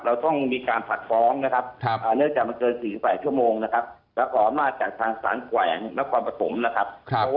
เรื่องจากคดีนี้เราต้องรวบรวมประหยาบักต่างเพิ่มเติม